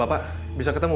pergi ke tembur